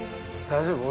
大丈夫？